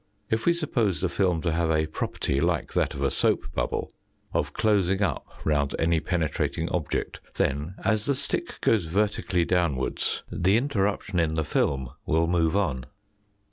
If we suppose the film to have a pro Fig. 13. perty, like that of a soap bubble, of closing up round any penetrating object, then as the stick goes vertically downwards the interruption in the film will move on.